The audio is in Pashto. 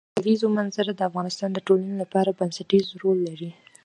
د کلیزو منظره د افغانستان د ټولنې لپاره بنسټيز رول لري.